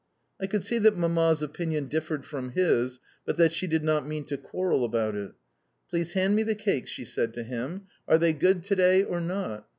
I could see that Mamma's opinion differed from his, but that she did not mean to quarrel about it. "Please hand me the cakes," she said to him, "Are they good to day or not?"